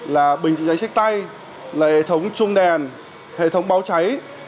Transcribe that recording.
là bình chỉnh cháy xách tay là hệ thống chung đèn hệ thống báo cháy